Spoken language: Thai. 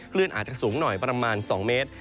คลื่นอาจจะสูงหน่อยประมาณ๒เมตร